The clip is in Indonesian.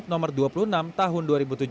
nomor dua puluh enam tahun dua ribu tujuh belas